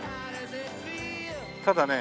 ただね